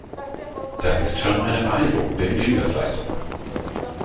Das ist schon eine beeindruckende Ingenieursleistung.